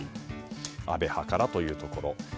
安倍派からというところ。